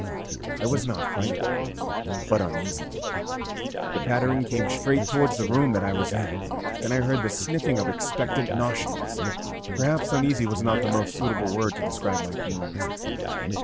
I was not frightened, but uneasy. The pattering came straight towards the room that I was in, then I heard the sniffing of expectant nostrils; perhaps 'uneasy' was not the most suitable word to describe my feelings then.